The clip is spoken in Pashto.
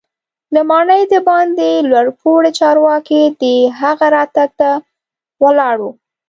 له ماڼۍ دباندې لوړ پوړي چارواکي د هغه راتګ ته ولاړ وو.